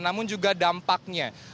namun juga dampaknya